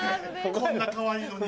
こんなかわいいのに。